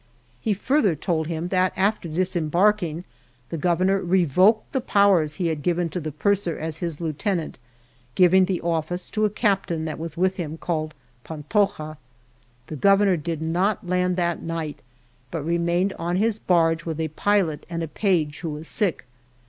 He further told him that after disembarking, the Gov ernor revoked the powers he had given to the purser as his lieutenant, giving the office to a captain that was with him called Pantoja. The Governor did not land that night, but remained on his barge with a pilot and a page who was sick.